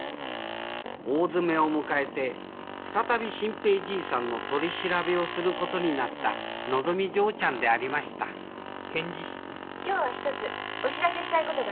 大詰めを迎えて再び新平じいさんの取り調べをすることになったのぞみ嬢ちゃんでありました今日は一つお知らせしたいことがあります。